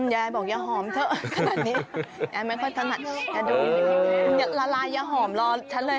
ยายบอกอย่าหอมเถอะขนาดนี้ยายไม่ค่อยถนัดแกดูละลายอย่าหอมรอฉันเลย